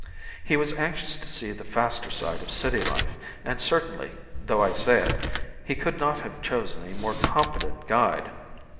He was anxious to see the faster side of city life, and certainly, though I say it, he could not have chosen a more competent guide.